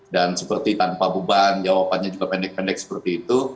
seperti tanpa beban jawabannya juga pendek pendek seperti itu